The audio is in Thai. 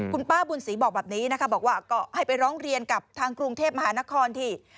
คุณป้าบุญศรีบอกแบบนี้นะคะบอกว่าก็ให้ไปร้องเรียนกับทางกรุงเทพมหานครที่